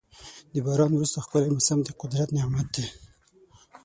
د باران وروسته ښکلی موسم د قدرت نعمت دی.